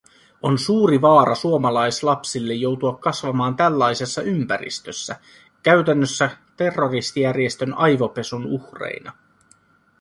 On suuri vaara suomalaislapsille joutua kasvamaan tällaisessa ympäristössä – käytännössä terroristijärjestön aivopesun uhreina.